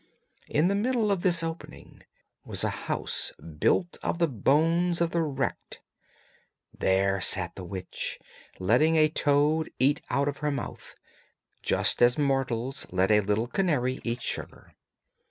In the middle of this opening was a house built of the bones of the wrecked; there sat the witch, letting a toad eat out of her mouth, just as mortals let a little canary eat sugar.